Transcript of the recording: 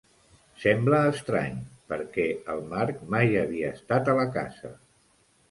Sembla estrany, perquè el Mark mai havia estat a la casa.